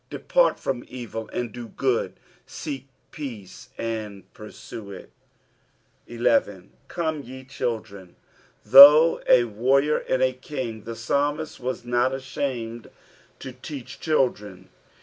14 Depart from evil, and do good ; seek peace, and pursue it. tl. " Ctrmt, ye children.''^ Though a warrior and a king, the psalmist was not ashamed to teach children.